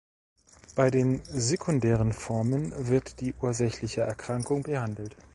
Bei den sekundären Formen wird die ursächliche Erkrankung behandelt.